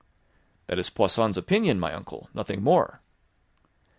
"That is Poisson's opinion, my uncle, nothing more."